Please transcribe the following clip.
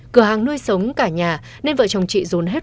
cửa hàng nuôi sống cả nhà nên vợ chồng chị dồn hết